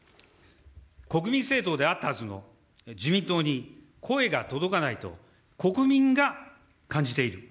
国民政党であったはずの自民党に声が届かないと、国民が感じている。